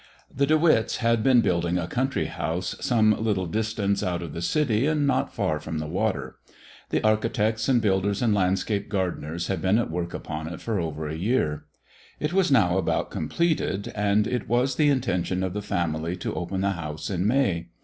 The De Witts had been building a country house some little distance out of the city and not far from the water. The architects and builders and landscape gardeners had been at work upon it for over a year. It was now about completed, and it was the intention of the family to open the house in May.